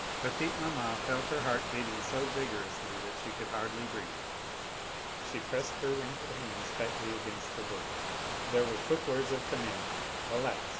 Petite maman felt her heart beating so vigorously that she could hardly breathe. She pressed her wrinkled hands tightly against her bosom. There were the quick words of command, alas!